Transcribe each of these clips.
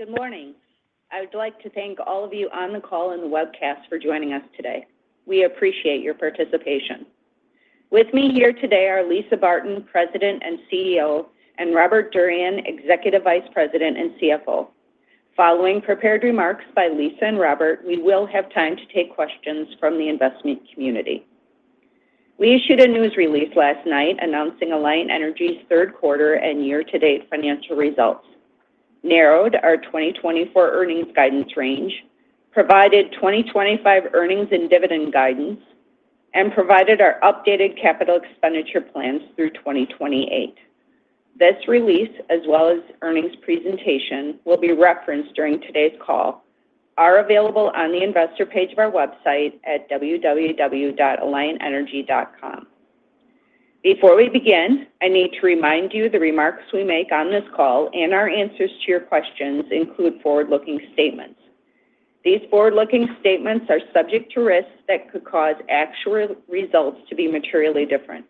Good morning. I would like to thank all of you on the call and the webcast for joining us today. We appreciate your participation. With me here today are Lisa Barton, President and CEO, and Robert Durian, Executive Vice President and CFO. Following prepared remarks by Lisa and Robert, we will have time to take questions from the investment community. We issued a news release last night announcing Alliant Energy's third quarter and year-to-date financial results, narrowed our 2024 earnings guidance range, provided 2025 earnings and dividend guidance, and provided our updated capital expenditure plans through 2028. This release, as well as earnings presentation, will be referenced during today's call, are available on the investor page of our website at www.alliantenergy.com. Before we begin, I need to remind you the remarks we make on this call and our answers to your questions include forward-looking statements. These forward-looking statements are subject to risks that could cause actual results to be materially different.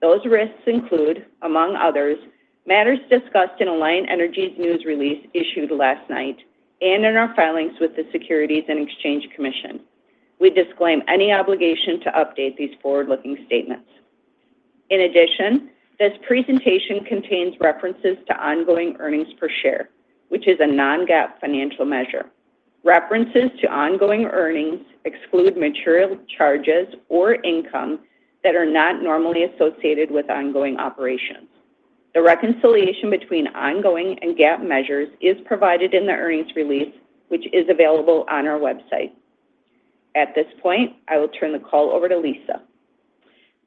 Those risks include, among others, matters discussed in Alliant Energy's news release issued last night and in our filings with the Securities and Exchange Commission. We disclaim any obligation to update these forward-looking statements. In addition, this presentation contains references to ongoing earnings per share, which is a non-GAAP financial measure. References to ongoing earnings exclude material charges or income that are not normally associated with ongoing operations. The reconciliation between ongoing and GAAP measures is provided in the earnings release, which is available on our website. At this point, I will turn the call over to Lisa.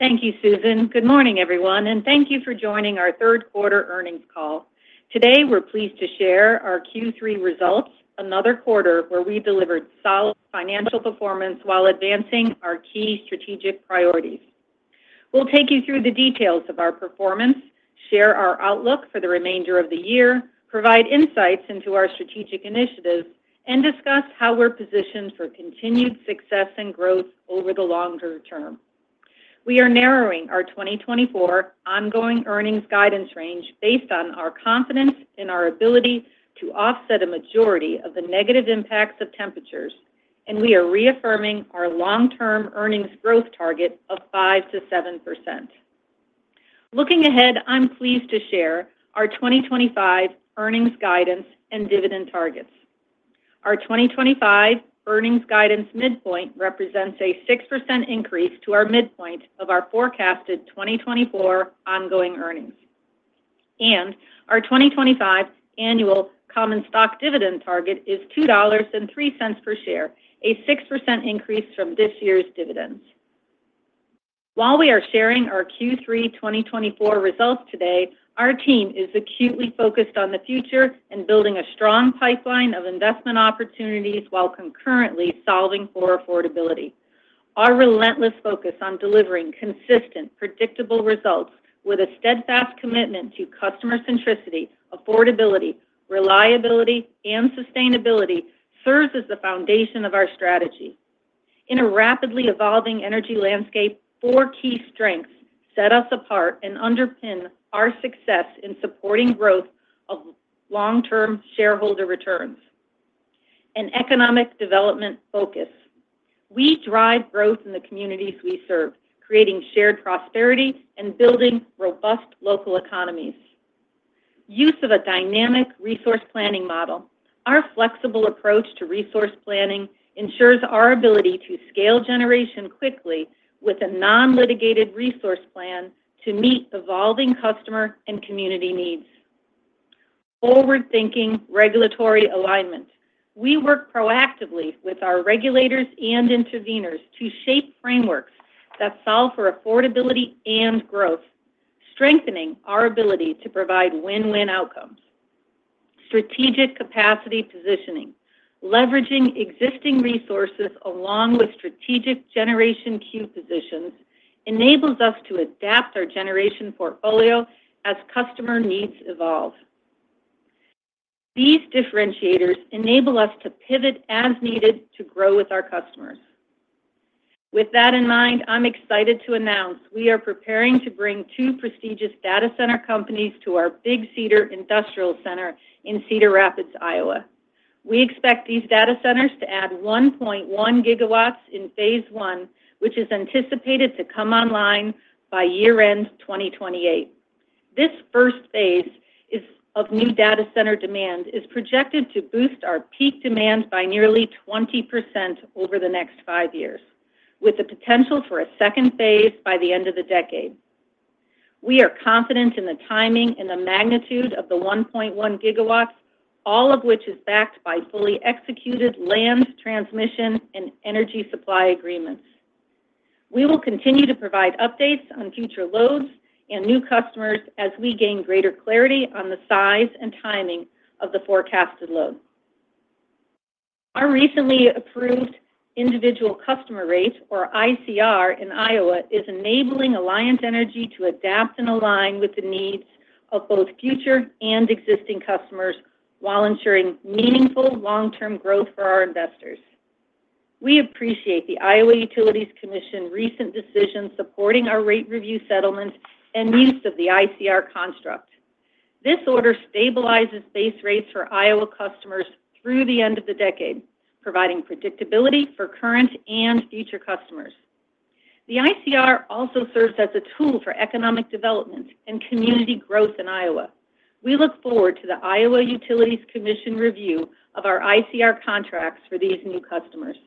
Thank you, Susan. Good morning, everyone, and thank you for joining our third quarter earnings call. Today, we're pleased to share our third quarter results, another quarter where we delivered solid financial performance while advancing our key strategic priorities. We'll take you through the details of our performance, share our outlook for the remainder of the year, provide insights into our strategic initiatives, and discuss how we're positioned for continued success and growth over the longer term. We are narrowing our 2024 ongoing earnings guidance range based on our confidence in our ability to offset a majority of the negative impacts of temperatures, and we are reaffirming our long-term earnings growth target of 5% to 7%. Looking ahead, I'm pleased to share our 2025 earnings guidance and dividend targets. Our 2025 earnings guidance midpoint represents a 6% increase to our midpoint of our forecasted 2024 ongoing earnings, and our 2025 annual common stock dividend target is $2.03 per share, a 6% increase from this year's dividends. While we are sharing our third quarter 2024 results today, our team is acutely focused on the future and building a strong pipeline of investment opportunities while concurrently solving for affordability. Our relentless focus on delivering consistent, predictable results with a steadfast commitment to customer centricity, affordability, reliability, and sustainability serves as the foundation of our strategy. In a rapidly evolving energy landscape, four key strengths set us apart and underpin our success in supporting growth of long-term shareholder returns: an economic development focus. We drive growth in the communities we serve, creating shared prosperity and building robust local economies. Use of a dynamic resource planning model. Our flexible approach to resource planning ensures our ability to scale generation quickly with a non-litigated resource plan to meet evolving customer and community needs. Forward-thinking regulatory alignment. We work proactively with our regulators and intervenors to shape frameworks that solve for affordability and growth, strengthening our ability to provide win-win outcomes. Strategic capacity positioning. Leveraging existing resources along with strategic generation queue positions enables us to adapt our generation portfolio as customer needs evolve. These differentiators enable us to pivot as needed to grow with our customers. With that in mind, I'm excited to announce we are preparing to bring two prestigious data center companies to our Big Cedar Industrial Center in Cedar Rapids, Iowa. We expect these data centers to add 1.1 gigawatts in phase one, which is anticipated to come online by year-end 2028. This first phase of new data center demand is projected to boost our peak demand by nearly 20% over the next five years, with the potential for a second phase by the end of the decade. We are confident in the timing and the magnitude of the 1.1 gigawatts, all of which is backed by fully executed land transmission and energy supply agreements. We will continue to provide updates on future loads and new customers as we gain greater clarity on the size and timing of the forecasted load. Our recently approved individual customer rate, or ICR, in Iowa is enabling Alliant Energy to adapt and align with the needs of both future and existing customers while ensuring meaningful long-term growth for our investors. We appreciate the Iowa Utilities Commission's recent decision supporting our rate review settlement and use of the ICR construct. This order stabilizes base rates for Iowa customers through the end of the decade, providing predictability for current and future customers. The ICR also serves as a tool for economic development and community growth in Iowa. We look forward to the Iowa Utilities Commission review of our ICR contracts for these new customers.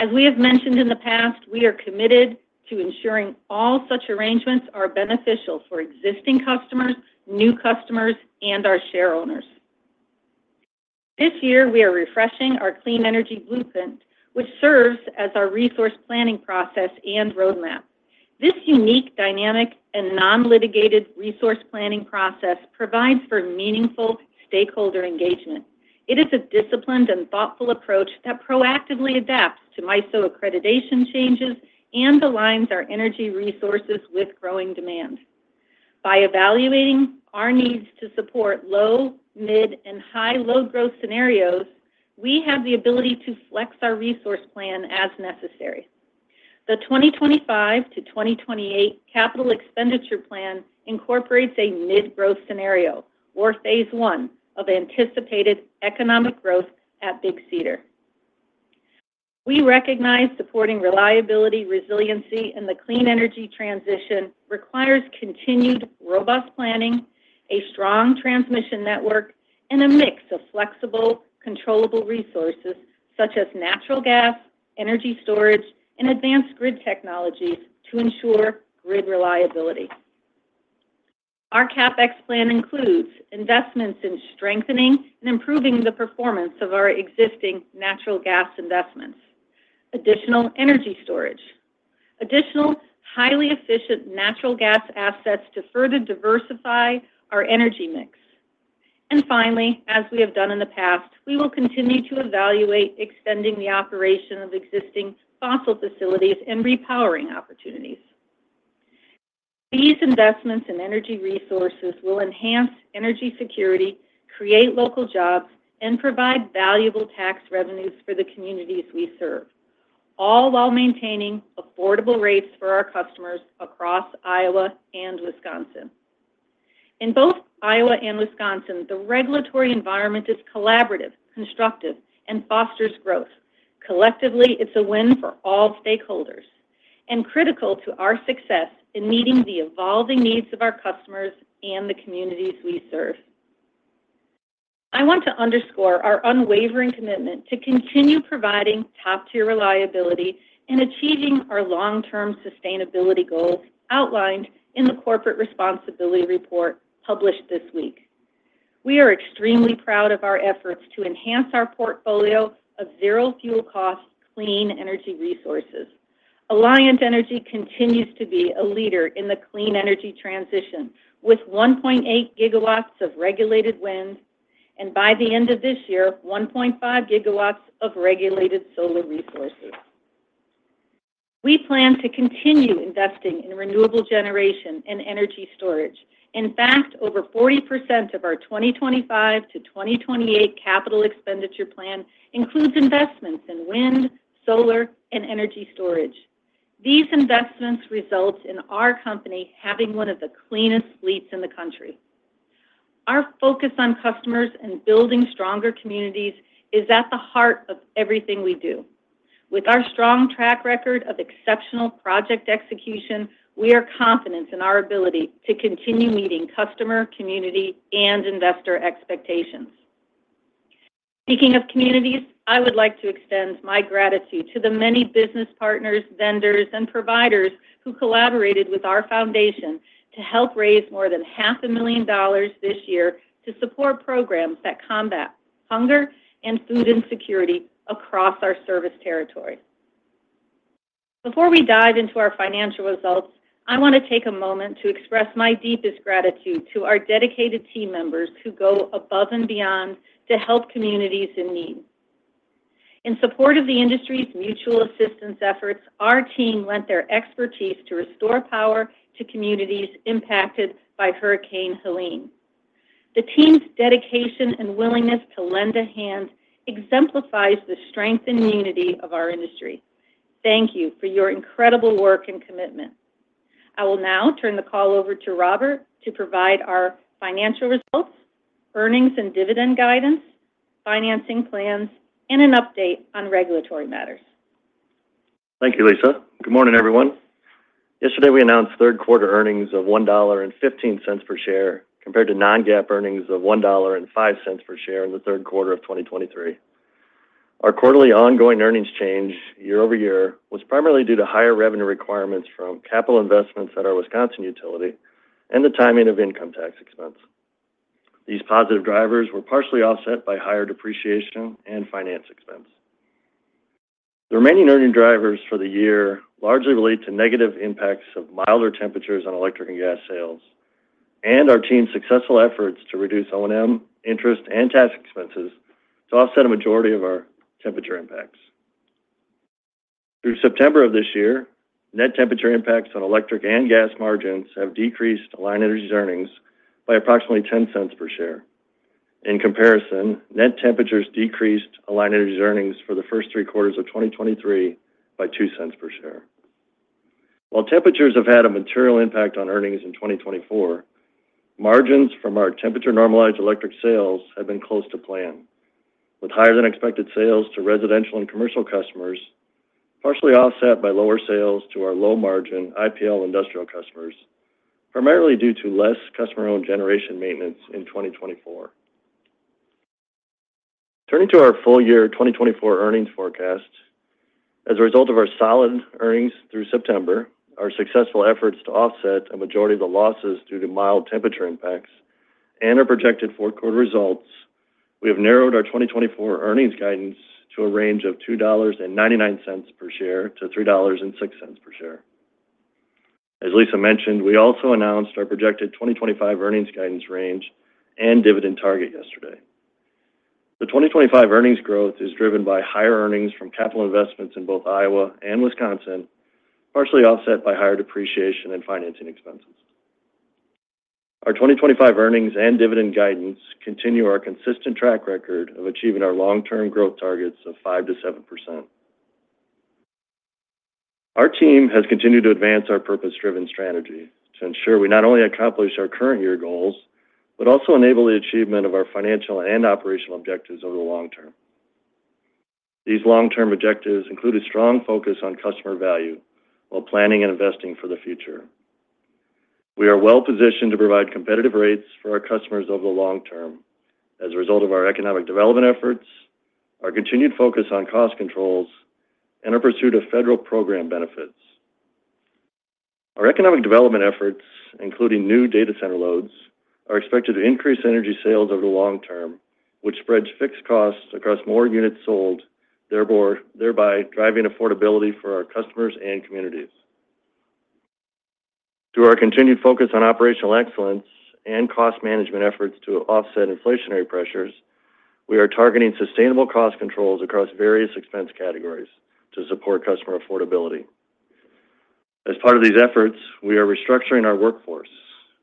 As we have mentioned in the past, we are committed to ensuring all such arrangements are beneficial for existing customers, new customers, and our shareholders. This year, we are refreshing our Clean Energy Blueprint, which serves as our resource planning process and roadmap. This unique, dynamic, and non-litigated resource planning process provides for meaningful stakeholder engagement. It is a disciplined and thoughtful approach that proactively adapts to MISO accreditation changes and aligns our energy resources with growing demand. By evaluating our needs to support low, mid, and high load growth scenarios, we have the ability to flex our resource plan as necessary. The 2025 to 2028 capital expenditure plan incorporates a mid-growth scenario, or phase one, of anticipated economic growth at Big Cedar. We recognize supporting reliability, resiliency, and the clean energy transition requires continued robust planning, a strong transmission network, and a mix of flexible, controllable resources such as natural gas, energy storage, and advanced grid technologies to ensure grid reliability. Our CapEx plan includes investments in strengthening and improving the performance of our existing natural gas investments, additional energy storage, additional highly efficient natural gas assets to further diversify our energy mix. And finally, as we have done in the past, we will continue to evaluate extending the operation of existing fossil facilities and repowering opportunities. These investments in energy resources will enhance energy security, create local jobs, and provide valuable tax revenues for the communities we serve, all while maintaining affordable rates for our customers across Iowa and Wisconsin. In both Iowa and Wisconsin, the regulatory environment is collaborative, constructive, and fosters growth. Collectively, it's a win for all stakeholders and critical to our success in meeting the evolving needs of our customers and the communities we serve. I want to underscore our unwavering commitment to continue providing top-tier reliability and achieving our long-term sustainability goals outlined in the corporate responsibility report published this week. We are extremely proud of our efforts to enhance our portfolio of zero-fuel cost clean energy resources. Alliant Energy continues to be a leader in the clean energy transition with 1.8 gigawatts of regulated wind and, by the end of this year, 1.5 gigawatts of regulated solar resources. We plan to continue investing in renewable generation and energy storage. In fact, over 40% of our 2025 to 2028 capital expenditure plan includes investments in wind, solar, and energy storage. These investments result in our company having one of the cleanest fleets in the country. Our focus on customers and building stronger communities is at the heart of everything we do. With our strong track record of exceptional project execution, we are confident in our ability to continue meeting customer, community, and investor expectations. Speaking of communities, I would like to extend my gratitude to the many business partners, vendors, and providers who collaborated with our foundation to help raise more than $500,000 this year to support programs that combat hunger and food insecurity across our service territory. Before we dive into our financial results, I want to take a moment to express my deepest gratitude to our dedicated team members who go above and beyond to help communities in need. In support of the industry's mutual assistance efforts, our team lent their expertise to restore power to communities impacted by Hurricane Helene. The team's dedication and willingness to lend a hand exemplifies the strength and unity of our industry. Thank you for your incredible work and commitment. I will now turn the call over to Robert to provide our financial results, earnings and dividend guidance, financing plans, and an update on regulatory matters. Thank you, Lisa. Good morning, everyone. Yesterday, we announced third quarter earnings of $1.15 per share compared to non-GAAP earnings of $1.05 per share in the third quarter of 2023. Our quarterly ongoing earnings change year over year was primarily due to higher revenue requirements from capital investments at our Wisconsin utility and the timing of income tax expense. These positive drivers were partially offset by higher depreciation and finance expense. The remaining earnings drivers for the year largely relate to negative impacts of milder temperatures on electric and gas sales and our team's successful efforts to reduce O&M, interest, and tax expenses to offset a majority of our temperature impacts. Through September of this year, net temperature impacts on electric and gas margins have decreased Alliant Energy's earnings by approximately $0.10 per share. In comparison, net temperatures decreased Alliant Energy's earnings for the first three quarters of 2023 by $0.02 per share. While temperatures have had a material impact on earnings in 2024, margins from our temperature normalized electric sales have been close to plan, with higher than expected sales to residential and commercial customers partially offset by lower sales to our low margin IPL industrial customers, primarily due to less customer-owned generation maintenance in 2024. Turning to our full year 2024 earnings forecast, as a result of our solid earnings through September, our successful efforts to offset a majority of the losses due to mild temperature impacts and our projected four-quarter results, we have narrowed our 2024 earnings guidance to a range of $2.99 to 3.06 per share. As Lisa mentioned, we also announced our projected 2025 earnings guidance range and dividend target yesterday. The 2025 earnings growth is driven by higher earnings from capital investments in both Iowa and Wisconsin, partially offset by higher depreciation and financing expenses. Our 2025 earnings and dividend guidance continue our consistent track record of achieving our long-term growth targets of 5% to 7%. Our team has continued to advance our purpose-driven strategy to ensure we not only accomplish our current year goals but also enable the achievement of our financial and operational objectives over the long term. These long-term objectives include a strong focus on customer value while planning and investing for the future. We are well positioned to provide competitive rates for our customers over the long term as a result of our economic development efforts, our continued focus on cost controls, and our pursuit of federal program benefits. Our economic development efforts, including new data center loads, are expected to increase energy sales over the long term, which spreads fixed costs across more units sold, thereby driving affordability for our customers and communities. Through our continued focus on operational excellence and cost management efforts to offset inflationary pressures, we are targeting sustainable cost controls across various expense categories to support customer affordability. As part of these efforts, we are restructuring our workforce.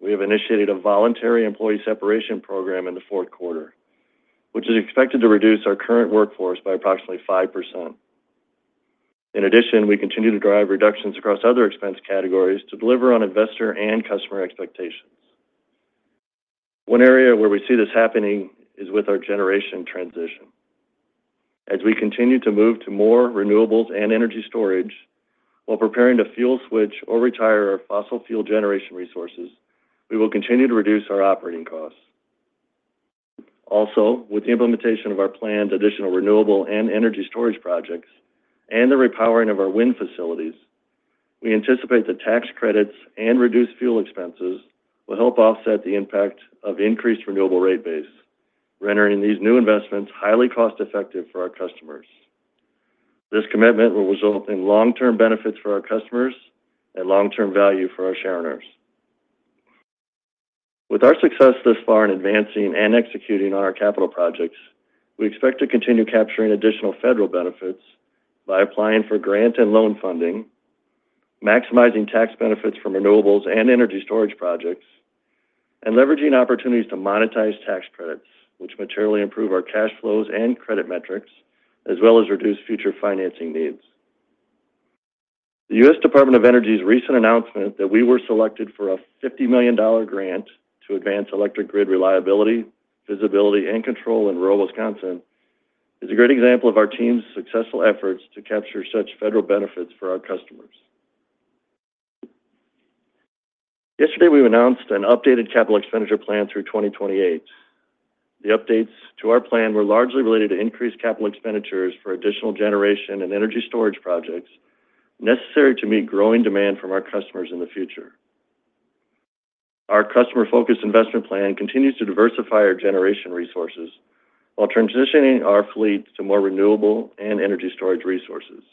We have initiated a voluntary employee separation program in the fourth quarter, which is expected to reduce our current workforce by approximately 5%. In addition, we continue to drive reductions across other expense categories to deliver on investor and customer expectations. One area where we see this happening is with our generation transition. As we continue to move to more renewables and energy storage, while preparing to fuel switch or retire our fossil fuel generation resources, we will continue to reduce our operating costs. Also, with the implementation of our planned additional renewable and energy storage projects and the repowering of our wind facilities. We anticipate the tax credits and reduced fuel expenses will help offset the impact of increased renewable rate base, rendering these new investments highly cost-effective for our customers. This commitment will result in long-term benefits for our customers and long-term value for our shareholders. With our success thus far in advancing and executing on our capital projects, we expect to continue capturing additional federal benefits by applying for grant and loan funding, maximizing tax benefits from renewables and energy storage projects, and leveraging opportunities to monetize tax credits, which materially improve our cash flows and credit metrics, as well as reduce future financing needs. The U.S. Department of Energy's recent announcement that we were selected for a $50 million grant to advance electric grid reliability, visibility, and control in rural Wisconsin is a great example of our team's successful efforts to capture such federal benefits for our customers. Yesterday, we announced an updated capital expenditure plan through 2028. The updates to our plan were largely related to increased capital expenditures for additional generation and energy storage projects necessary to meet growing demand from our customers in the future. Our customer-focused investment plan continues to diversify our generation resources while transitioning our fleet to more renewable and energy storage resources.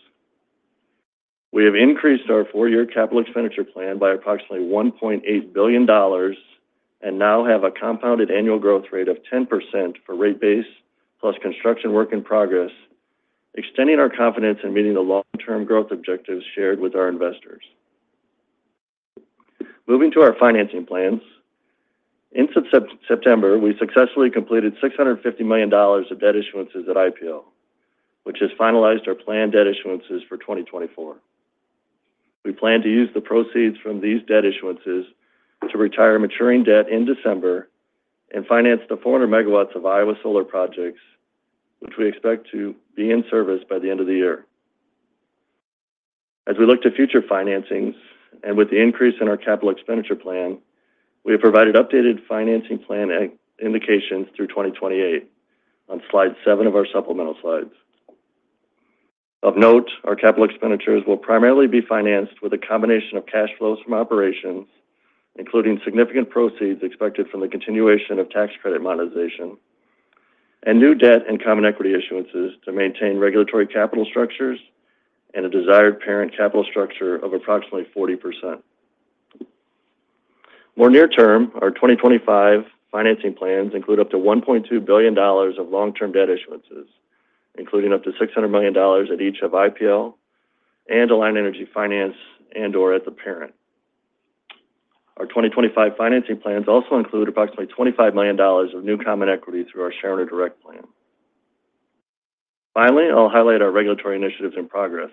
We have increased our four-year capital expenditure plan by approximately $1.8 billion and now have a compounded annual growth rate of 10% for rate base plus construction work in progress, extending our confidence in meeting the long-term growth objectives shared with our investors. Moving to our financing plans, in September, we successfully completed $650 million of debt issuances at IPL, which has finalized our planned debt issuances for 2024. We plan to use the proceeds from these debt issuances to retire maturing debt in December and finance the 400 megawatts of Iowa solar projects, which we expect to be in service by the end of the year. As we look to future financings and with the increase in our capital expenditure plan, we have provided updated financing plan indications through 2028 on slide seven of our supplemental slides. Of note, our capital expenditures will primarily be financed with a combination of cash flows from operations, including significant proceeds expected from the continuation of tax credit monetization, and new debt and common equity issuances to maintain regulatory capital structures and a desired parent capital structure of approximately 40%. More near-term, our 2025 financing plans include up to $1.2 billion of long-term debt issuances, including up to $600 million at each of IPL and Alliant Energy Finance and/or at the parent. Our 2025 financing plans also include approximately $25 million of new common equity through our Shareholder Direct Plan. Finally, I'll highlight our regulatory initiatives in progress,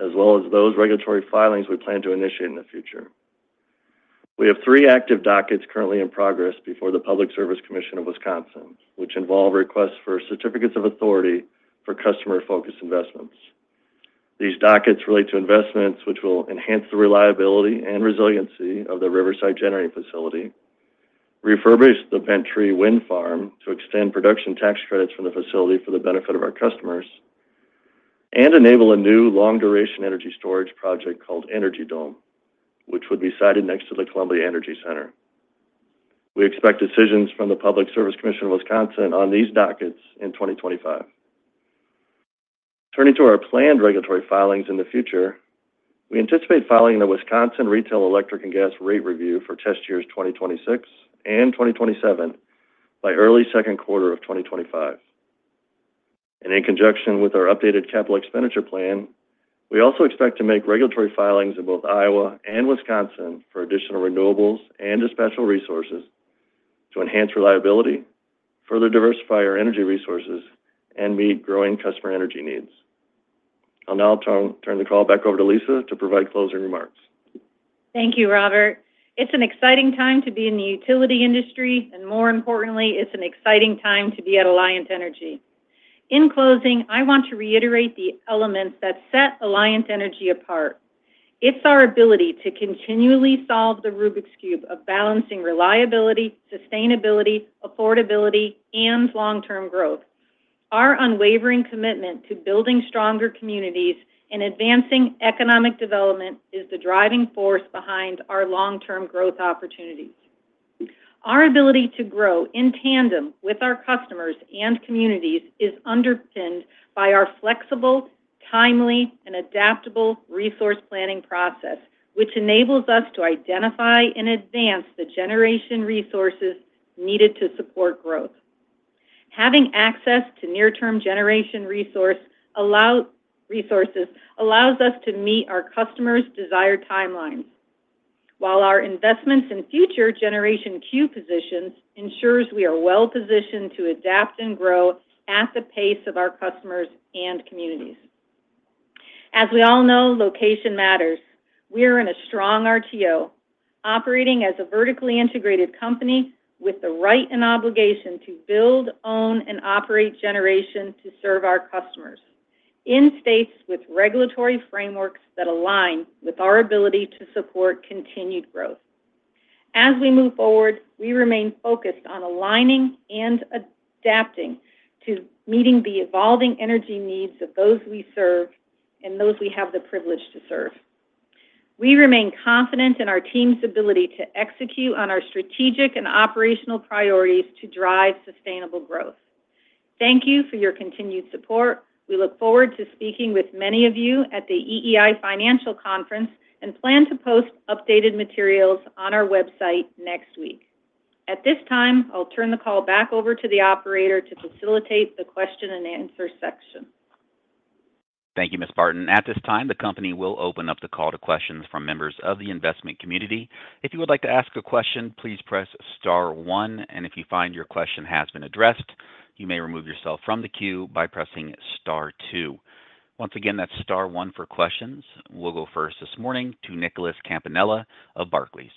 as well as those regulatory filings we plan to initiate in the future. We have three active dockets currently in progress before the Public Service Commission of Wisconsin, which involve requests for certificates of authority for customer-focused investments. These dockets relate to investments which will enhance the reliability and resiliency of the Riverside Generating Facility, refurbish the Bent Tree Wind Farm to extend production tax credits from the facility for the benefit of our customers, and enable a new long-duration energy storage project called Energy Dome, which would be sited next to the Columbia Energy Center. We expect decisions from the Public Service Commission of Wisconsin on these dockets in 2025. Turning to our planned regulatory filings in the future, we anticipate filing the Wisconsin Retail Electric and Gas Rate Review for test years 2026 and 2027 by early second quarter of 2025. In conjunction with our updated capital expenditure plan, we also expect to make regulatory filings in both Iowa and Wisconsin for additional renewables and dispatchable resources to enhance reliability, further diversify our energy resources, and meet growing customer energy needs. I'll now turn the call back over to Lisa to provide closing remarks. Thank you, Robert. It's an exciting time to be in the utility industry, and more importantly, it's an exciting time to be at Alliant Energy. In closing, I want to reiterate the elements that set Alliant Energy apart. It's our ability to continually solve the Rubik's Cube of balancing reliability, sustainability, affordability, and long-term growth. Our unwavering commitment to building stronger communities and advancing economic development is the driving force behind our long-term growth opportunities. Our ability to grow in tandem with our customers and communities is underpinned by our flexible, timely, and adaptable resource planning process, which enables us to identify and advance the generation resources needed to support growth. Having access to near-term generation resources allows us to meet our customers' desired timelines, while our investments in future generation queue positions ensure we are well positioned to adapt and grow at the pace of our customers and communities. As we all know, location matters. We are in a strong RTO, operating as a vertically integrated company with the right and obligation to build, own, and operate generation to serve our customers in states with regulatory frameworks that align with our ability to support continued growth. As we move forward, we remain focused on aligning and adapting to meeting the evolving energy needs of those we serve and those we have the privilege to serve. We remain confident in our team's ability to execute on our strategic and operational priorities to drive sustainable growth. Thank you for your continued support. We look forward to speaking with many of you at the EEI Financial Conference and plan to post updated materials on our website next week. At this time, I'll turn the call back over to the operator to facilitate the question-and-answer section. Thank you, Ms. Barton. At this time, the company will open up the call to questions from members of the investment community. If you would like to ask a question, please press star one, and if you find your question has been addressed, you may remove yourself from the queue by pressing star two. Once again, that's star one for questions. We'll go first this morning to Nicholas Campanella of Barclays.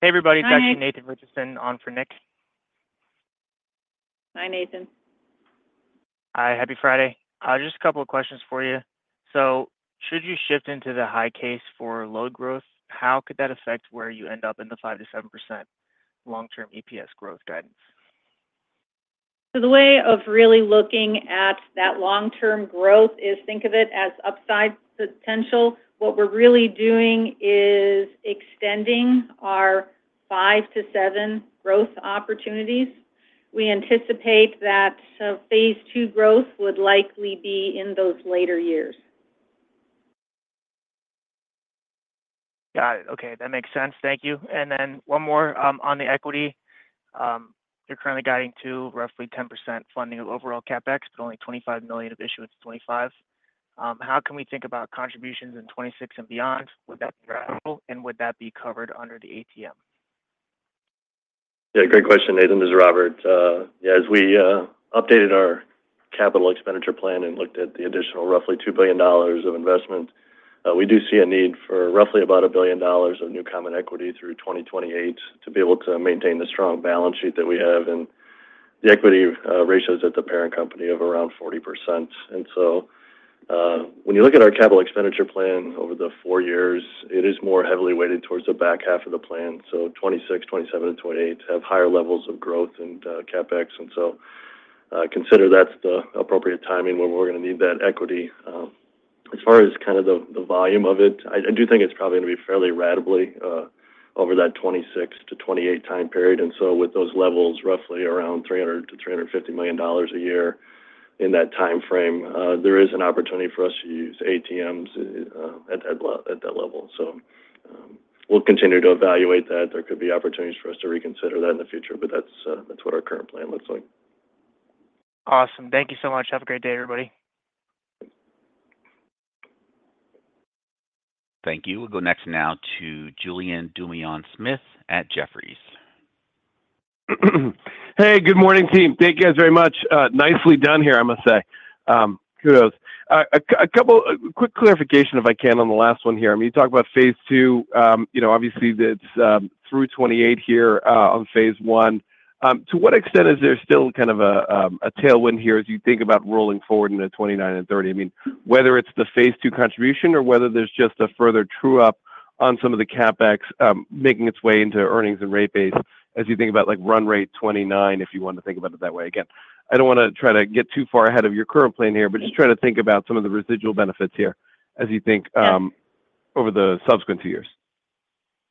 Hey, everybody. Hi. Back to Nathan Richardson on for Nick. Hi, Nathan. Hi. Happy Friday. Just a couple of questions for you. So, should you shift into the high case for load growth, how could that affect where you end up in the 5% to 7% long-term EPS growth guidance? So the way of really looking at that long-term growth is think of it as upside potential. What we're really doing is extending our 5% to 7% growth opportunities. We anticipate that phase two growth would likely be in those later years. Got it. Okay. That makes sense. Thank you. And then one more on the equity. You're currently guiding to roughly 10% funding of overall CapEx, but only $25 million of issuance. How can we think about contributions in 2026 and beyond? Would that be ratable, and would that be covered under the ATM? Yeah. Great question, Nathan, as Robert. Yeah, as we updated our capital expenditure plan and looked at the additional roughly $2 billion of investment, we do see a need for roughly about $1 billion of new common equity through 2028 to be able to maintain the strong balance sheet that we have and the equity ratios at the parent company of around 40%. And so when you look at our capital expenditure plan over the four years, it is more heavily weighted towards the back half of the plan. So 2026, 2027, and 2028 have higher levels of growth and CapEx. And so, consider that's the appropriate timing where we're going to need that equity. As far as kind of the volume of it, I do think it's probably going to be fairly gradually over that 2026 to 2028 time period. And so, with those levels, roughly around $300 to 350 million a year in that time frame, there is an opportunity for us to use ATMs at that level. So, we'll continue to evaluate that. There could be opportunities for us to reconsider that in the future, but that's what our current plan looks like. Awesome. Thank you so much. Have a great day, everybody. Thank you. We'll go next now to Julien Dumoulin-Smith at Jefferies. Hey, good morning, team. Thank you guys very much. Nicely done here, I must say. Kudos. A couple of quick clarifications, if I can, on the last one here. I mean, you talk about phase two. Obviously, it's through 2028 here on phase one. To what extent is there still kind of a tailwind here as you think about rolling forward into 2029 and 2030? I mean, whether it's the phase two contribution or whether there's just a further true-up on some of the CapEx making its way into earnings and rate base as you think about run rate 2029, if you want to think about it that way. Again, I don't want to try to get too far ahead of your current plan here but just try to think about some of the residual benefits here as you think over the subsequent two years.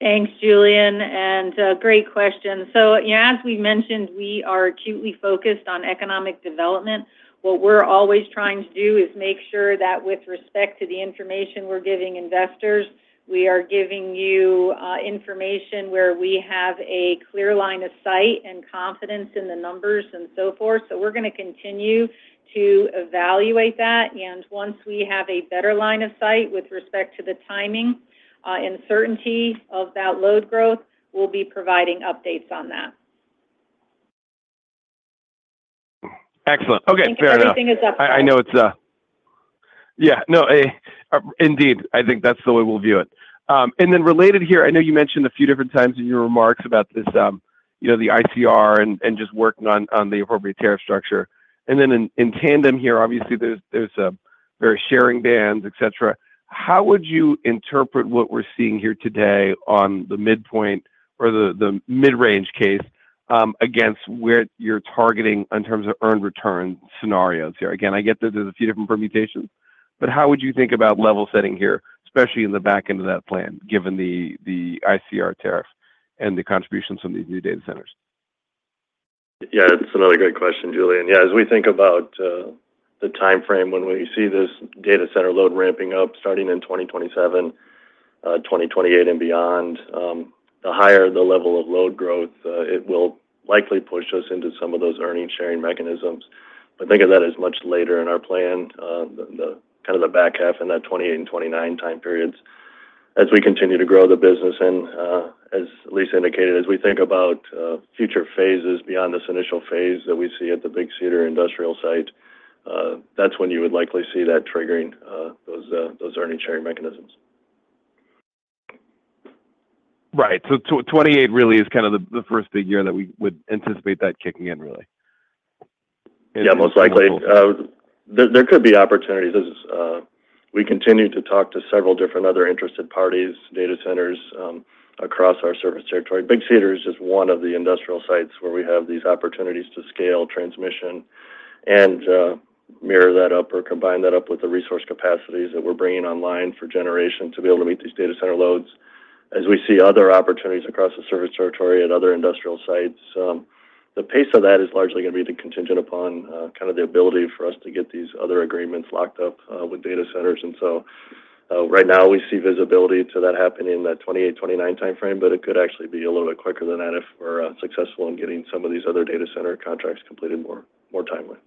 Thanks, Julien, and great question. As we mentioned, we are acutely focused on economic development. What we're always trying to do is make sure that with respect to the information we're giving investors, we are giving you information where we have a clear line of sight and confidence in the numbers and so forth. So, we're going to continue to evaluate that, and once we have a better line of sight with respect to the timing and certainty of that load growth, we'll be providing updates on that. Excellent. Okay. Fair enough. If anything is up for debate. [inaudible] Yeah. No, indeed. I think that's the way we'll view it. And then related here, I know you mentioned a few different times in your remarks about the ICR and just working on the appropriate tariff structure. And then in tandem here, obviously, there's various sharing bands, etc. How would you interpret what we're seeing here today on the midpoint or the mid-range case against where you're targeting in terms of earned return scenarios here? Again, I get that there's a few different permutations, but how would you think about level setting here, especially in the back end of that plan, given the ICR tariff and the contributions from these new data centers? Yeah, that's another great question, Julien. Yeah, as we think about the time frame when we see this data center load ramping up starting in 2027, 2028, and beyond, the higher the level of load growth, it will likely push us into some of those earnings-sharing mechanisms. But think of that as much later in our plan, kind of the back half in that 2028 and 2029 time periods, as we continue to grow the business. And as Lisa indicated, as we think about future phases beyond this initial phase that we see at the Big Cedar Industrial site, that's when you would likely see that triggering those earnings-sharing mechanisms. Right. So, 2028 really is kind of the first big year that we would anticipate that kicking in, really. Yeah, most likely. There could be opportunities as we continue to talk to several different other interested parties, data centers across our service territory. Big Cedar is just one of the industrial sites where we have these opportunities to scale transmission and mirror that up or combine that up with the resource capacities that we're bringing online for generation to be able to meet these data center loads as we see other opportunities across the service territory at other industrial sites. The pace of that is largely going to be contingent upon kind of the ability for us to get these other agreements locked up with data centers. And so right now, we see visibility to that happening in that 2028 to 2029 time frame, but it could actually be a little bit quicker than that if we're successful in getting some of these other data center contracts completed more, more timely.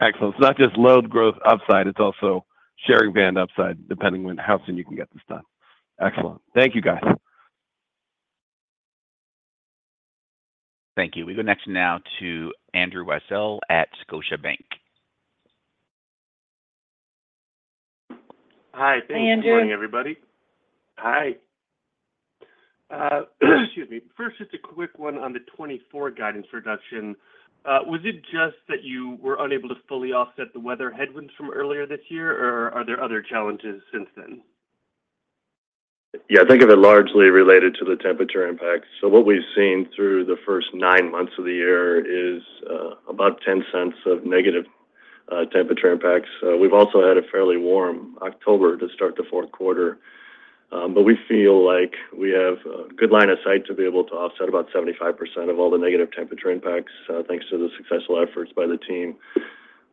Excellent. So not just load growth upside, it's also sharing band upside depending on how soon you can get this done. Excellent. Thank you, guys. Thank you. We go next now to Andrew Weisel at Scotiabank. Hi. Thank you for joining, everybody. Hi, Andrew. Hi. Excuse me. First, just a quick one on the 2024 guidance reduction. Was it just that you were unable to fully offset the weather headwinds from earlier this year, or are there other challenges since then? Yeah. I think of it largely related to the temperature impacts. So, what we've seen through the first nine months of the year is about $0.10 of negative temperature impacts. We've also had a fairly warm October to start the fourth quarter, but we feel like we have a good line of sight to be able to offset about 75% of all the negative temperature impacts thanks to the successful efforts by the team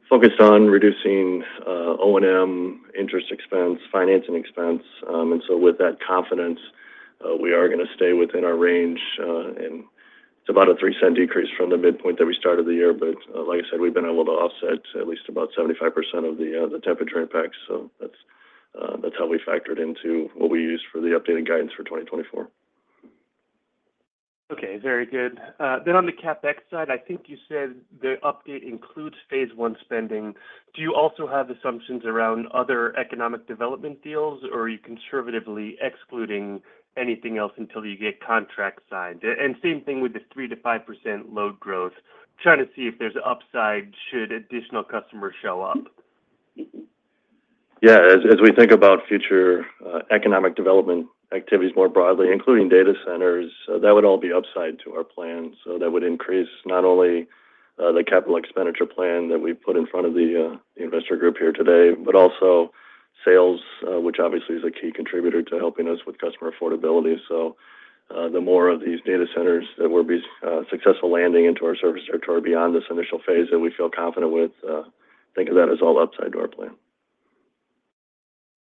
focused on reducing O&M, interest expense, financing expense. And so, with that confidence, we are going to stay within our range. And it's about a $0.03 decrease from the midpoint that we started the year. But like I said, we've been able to offset at least about 75% of the temperature impacts. So that's how we factored into what we used for the updated guidance for 2024. Okay. Very good. Then on the CapEx side, I think you said the update includes phase one spending. Do you also have assumptions around other economic development deals, or are you conservatively excluding anything else until you get contracts signed? And same thing with the 3% to 5% load growth. Trying to see if there's upside should additional customers show up. Yeah. As we think about future economic development activities more broadly, including data centers, that would all be upside to our plan. So that would increase not only the capital expenditure plan that we've put in front of the investor group here today, but also sales, which obviously is a key contributor to helping us with customer affordability. So the more of these data centers that we're successful landing into our service territory beyond this initial phase that we feel confident with, think of that as all upside to our plan.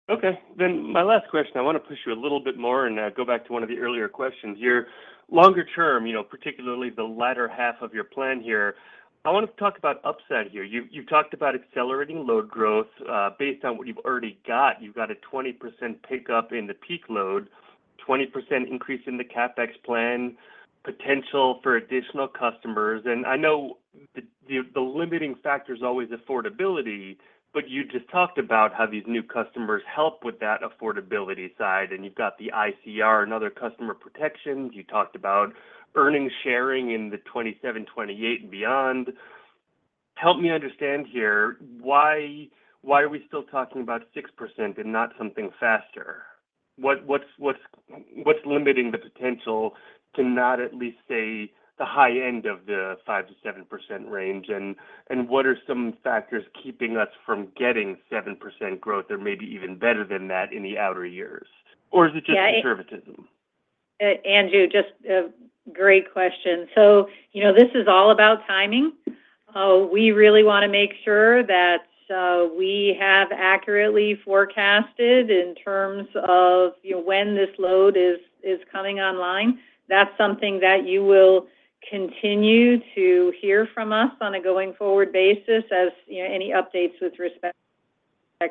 Okay. Then my last question. I want to push you a little bit more and go back to one of the earlier questions here. Longer term, particularly the latter half of your plan here, I want to talk about upside here. You've talked about accelerating load growth based on what you've already got. You've got a 20% pickup in the peak load, 20% increase in the CapEx plan, potential for additional customers. And I know the limiting factor is always affordability, but you just talked about how these new customers help with that affordability side. And you've got the ICR and other customer protections. You talked about earnings-sharing in the 2027, 2028, and beyond. Help me understand here. Why are we still talking about 6% and not something faster? What's limiting the potential to not at least say the high end of the 5% to 7% range? What are some factors keeping us from getting 7% growth or maybe even better than that in the outer years? Or is it just conservatism? Andrew, just a great question. So this is all about timing. We really want to make sure that we have accurately forecasted in terms of when this load is coming online. That's something that you will continue to hear from us on a going-forward basis as any updates with respect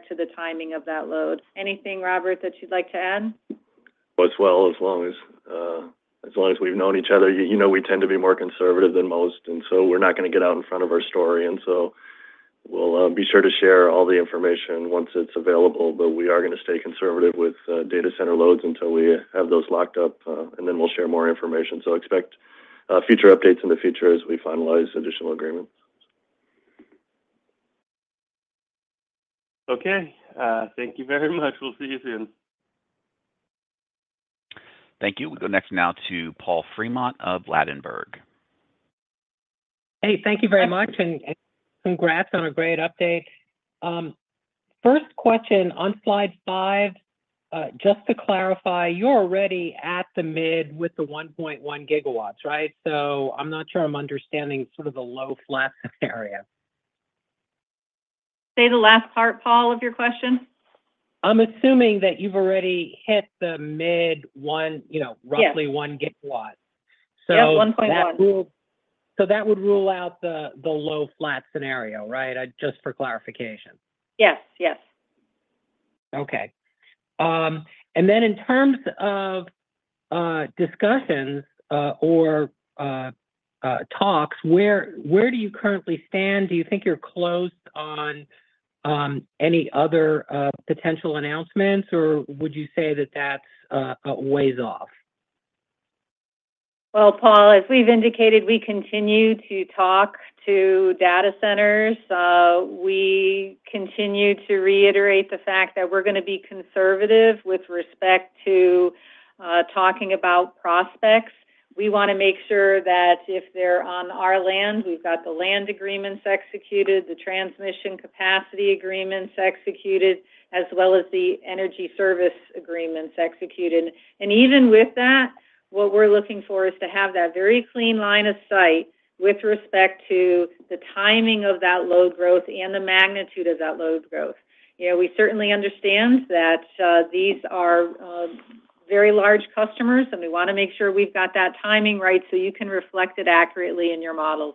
to the timing of that load. Anything, Robert, that you'd like to add? As well, as long as we've known each other, we tend to be more conservative than most. And so we're not going to get out in front of our story. And so we'll be sure to share all the information once it's available, but we are going to stay conservative with data center loads until we have those locked up, and then we'll share more information. So expect future updates in the future as we finalize additional agreements. Okay. Thank you very much. We'll see you soon. Thank you. We go next now to Paul Fremont of Ladenburg. Hey, thank you very much, and congrats on a great update. First question on slide five, just to clarify, you're already at the mid with the 1.1 gigawatts, right? So I'm not sure I'm understanding sort of the low flat area. Say the last part, Paul, of your question. I'm assuming that you've already hit the mid, roughly 1 gigawatt. Yes, 1.1 gigawatt. So that would rule out the low flat scenario, right, just for clarification? Yes. Yes. Okay. And then in terms of discussions or talks, where do you currently stand? Do you think you're closed on any other potential announcements, or would you say that that's a ways off? Paul, as we've indicated, we continue to talk to data centers. We continue to reiterate the fact that we're going to be conservative with respect to talking about prospects. We want to make sure that if they're on our land, we've got the land agreements executed, the transmission capacity agreements executed, as well as the energy service agreements executed. And even with that, what we're looking for is to have that very clean line of sight with respect to the timing of that load growth and the magnitude of that load growth. We certainly understand that these are very large customers, and we want to make sure we've got that timing right so you can reflect it accurately in your models.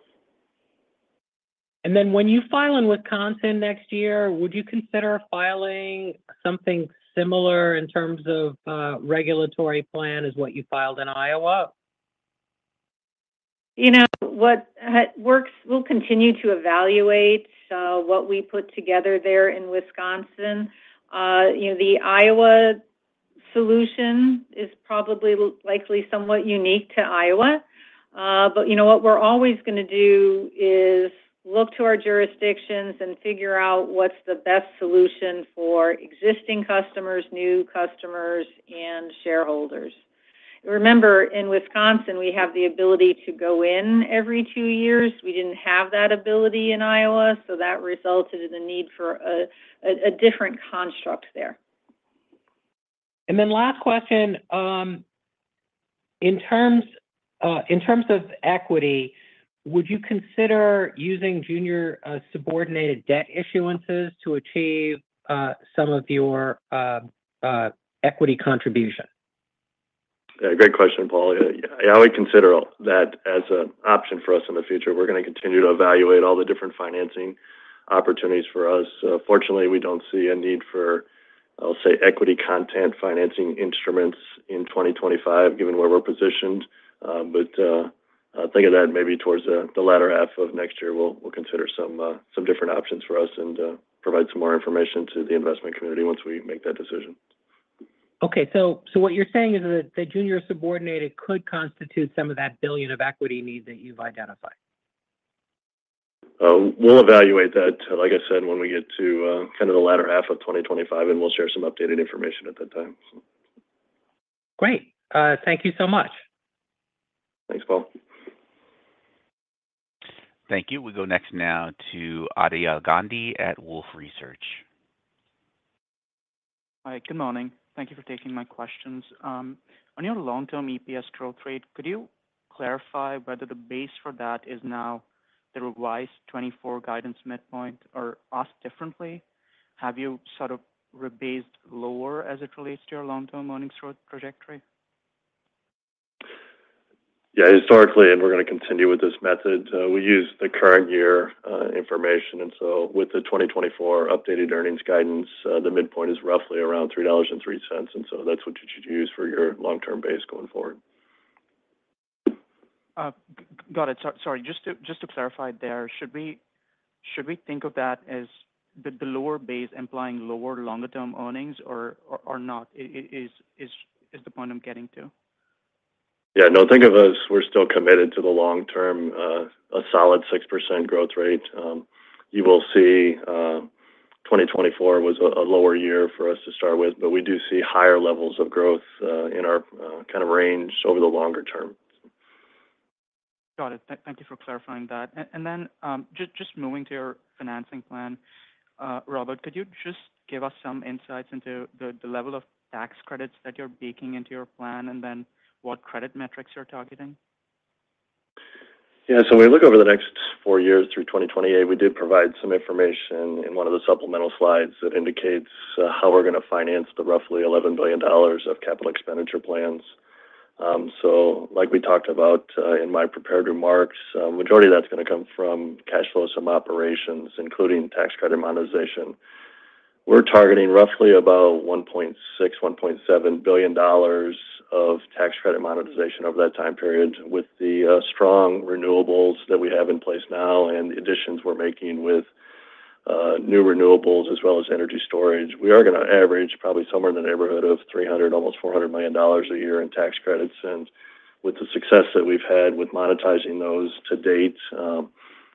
And then when you file in Wisconsin next year, would you consider filing something similar in terms of regulatory plan as what you filed in Iowa? You know what works? We'll continue to evaluate what we put together there in Wisconsin. The Iowa solution is probably likely somewhat unique to Iowa. But you know what we're always going to do is look to our jurisdictions and figure out what's the best solution for existing customers, new customers, and shareholders. Remember, in Wisconsin, we have the ability to go in every two years. We didn't have that ability in Iowa, so that resulted in the need for a different construct there. And then last question. In terms of equity, would you consider using junior subordinated debt issuances to achieve some of your equity contribution? Yeah. Great question, Paul. Yeah, I would consider that as an option for us in the future. We're going to continue to evaluate all the different financing opportunities for us. Fortunately, we don't see a need for, I'll say, equity content financing instruments in 2025, given where we're positioned. But think of that maybe towards the latter half of next year. We'll consider some different options for us and provide some more information to the investment community once we make that decision. Okay. So what you're saying is that the junior subordinated could constitute some of that billion of equity need that you've identified? We'll evaluate that, like I said, when we get to kind of the latter half of 2025, and we'll share some updated information at that time. Great. Thank you so much. Thanks, Paul. Thank you. We go next now to Aditya Gandhi at Wolfe Research. Hi. Good morning. Thank you for taking my questions. On your long-term EPS growth rate, could you clarify whether the base for that is now the revised 2024 guidance midpoint or asked differently? Have you sort of rebased lower as it relates to your long-term earnings growth trajectory? Yeah. Historically, and we're going to continue with this method, we use the current year information. And so with the 2024 updated earnings guidance, the midpoint is roughly around $3.03. And so that's what you should use for your long-term base going forward. Got it. Sorry. Just to clarify there, should we think of that as the lower base implying lower longer-term earnings or not? Is the point I'm getting to? Yeah. No, think of us. We're still committed to the long-term, a solid 6% growth rate. You will see 2024 was a lower year for us to start with, but we do see higher levels of growth in our kind of range over the longer term. Got it. Thank you for clarifying that. And then just moving to your financing plan, Robert, could you just give us some insights into the level of tax credits that you're baking into your plan and then what credit metrics you're targeting? Yeah, so we look over the next four years through 2028. We did provide some information in one of the supplemental slides that indicates how we're going to finance the roughly $11 billion of capital expenditure plans, so like we talked about in my prepared remarks, the majority of that's going to come from cash flow from operations, including tax credit monetization. We're targeting roughly about $1.6 to 1.7 billion of tax credit monetization over that time period with the strong renewables that we have in place now and the additions we're making with new renewables as well as energy storage. We are going to average probably somewhere in the neighborhood of $300 million to almost $400 million a year in tax credits, and with the success that we've had with monetizing those to date,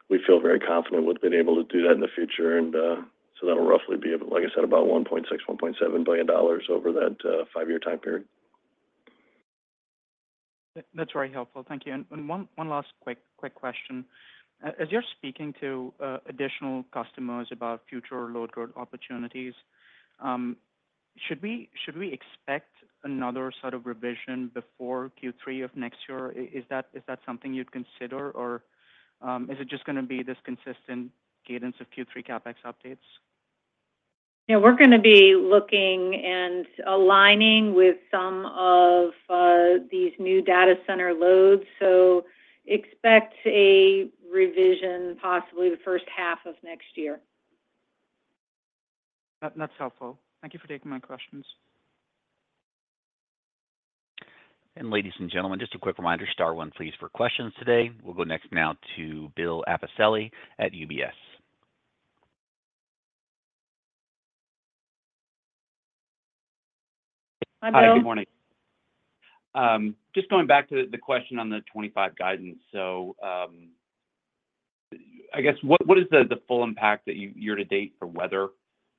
we feel very confident with being able to do that in the future. That'll roughly be, like I said, about $1.6 to 1.7 billion over that five-year time period. That's very helpful. Thank you. And one last quick question. As you're speaking to additional customers about future load growth opportunities, should we expect another sort of revision before third quarter of next year? Is that something you'd consider, or is it just going to be this consistent cadence of third quarter CapEx updates? Yeah. We're going to be looking and aligning with some of these new data center loads. So expect a revision possibly the first half of next year. That's helpful. Thank you for taking my questions. Ladies and gentlemen, just a quick reminder, star one please for questions today. We'll go next now to Bill Appicelli at UBS. Hi, Bill. Hi. Good morning. Just going back to the question on the 2025 guidance, so I guess what is the full impact that year-to-date for weather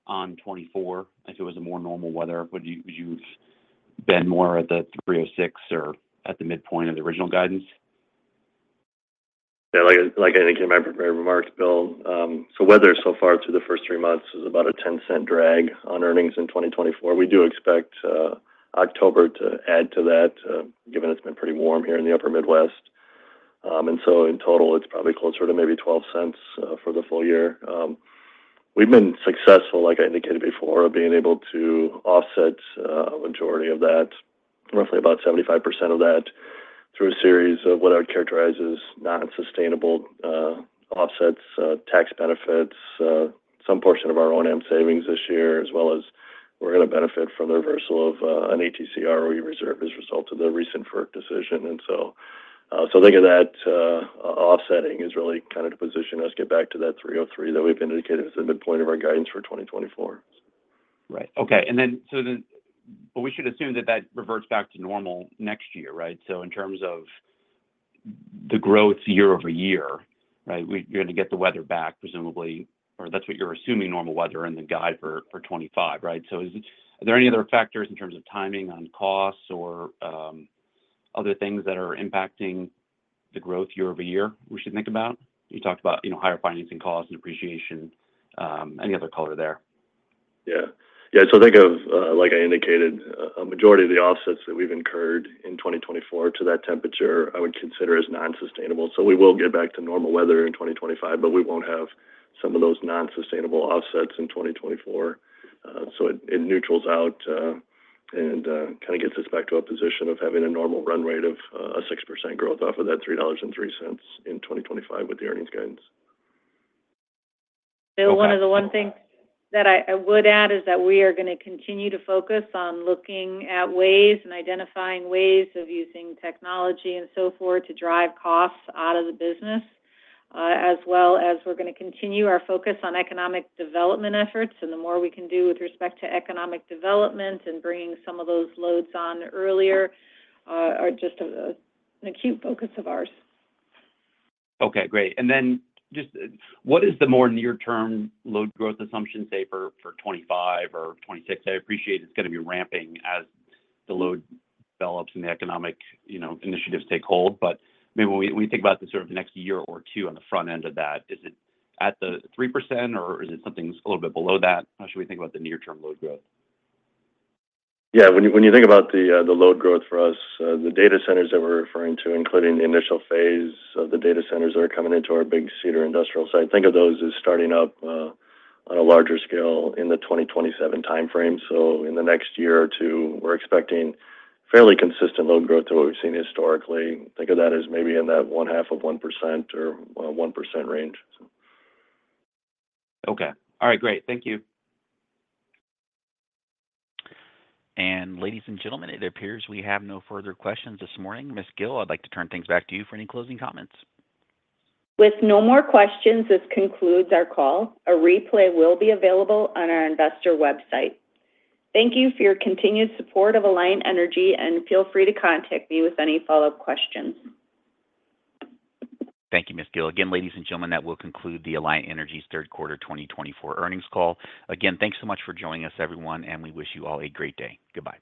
on 2024? If it was a more normal weather, would you have been more at the 3.06 or at the midpoint of the original guidance? Yeah. Like I think in my remarks, Bill, so weather so far through the first three months is about a $0.10 drag on earnings in 2024. We do expect October to add to that, given it's been pretty warm here in the upper Midwest. And so, in total, it's probably closer to maybe $0.12 for the full year. We've been successful, like I indicated before, of being able to offset a majority of that, roughly about 75% of that, through a series of what I would characterize as non-sustainable offsets, tax benefits, some portion of our O&M savings this year, as well as we're going to benefit from the reversal of an ATC are reserve as a result of the recent FERC decision. And so, think of that offsetting is really kind of to position us, get back to that 303 that we've indicated as the midpoint of our guidance for 2024. Right. Okay. And then so we should assume that that reverts back to normal next year, right? So in terms of the growth year over year, right, you're going to get the weather back, presumably, or that's what you're assuming normal weather in the guide for 2025, right? So are there any other factors in terms of timing on costs or other things that are impacting the growth year over year we should think about? You talked about higher financing costs and depreciation. Any other color there? Yeah. Yeah. So think of, like I indicated, a majority of the offsets that we've incurred in 2024 to that temperature I would consider as non-sustainable. So we will get back to normal weather in 2025, but we won't have some of those non-sustainable offsets in 2024. So it neutrals out and kind of gets us back to a position of having a normal run rate of a 6% growth off of that $3.03 in 2025 with the earnings guidance. Bill, one of the things that I would add is that we are going to continue to focus on looking at ways and identifying ways of using technology and so forth to drive costs out of the business, as well as we're going to continue our focus on economic development efforts, and the more we can do with respect to economic development and bringing some of those loads on earlier are just an acute focus of ours. Okay. Great. And then just what is the more near-term load growth assumption, say, for 2025 or 2026? I appreciate it's going to be ramping as the load develops and the economic initiatives take hold. But maybe when we think about the sort of next year or two on the front end of that, is it at the 3%, or is it something a little bit below that? How should we think about the near-term load growth? Yeah. When you think about the load growth for us, the data centers that we're referring to, including the initial phase of the data centers that are coming into our Big Cedar Industrial Center, think of those as starting up on a larger scale in the 2027 timeframe. So, in the next year or two, we're expecting fairly consistent load growth to what we've seen historically. Think of that as maybe in that 0.5% to 1% range. Okay. All right. Great. Thank you. And ladies and gentlemen, it appears we have no further questions this morning. Ms. Gille, I'd like to turn things back to you for any closing comments. With no more questions, this concludes our call. A replay will be available on our investor website. Thank you for your continued support of Alliant Energy, and feel free to contact me with any follow-up questions. Thank you, Ms. Gille. Again, ladies and gentlemen, that will conclude the Alliant Energy's third quarter 2024 earnings call. Again, thanks so much for joining us, everyone, and we wish you all a great day. Goodbye.